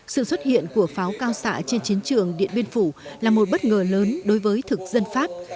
sự xuất hiện của pháo cao xạ trên chiến trường điện biên phủ là một bất ngờ lớn đối với thực dân pháp